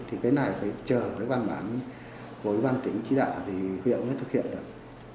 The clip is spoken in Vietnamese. thì cái này phải chờ cái bàn bán với ban tỉnh chỉ đạo thì huyện mới thực hiện được